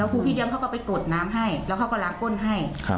ครูพี่เลี้ยงเขาก็ไปกดน้ำให้แล้วเขาก็ล้างก้นให้